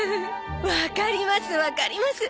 わかりますわかります！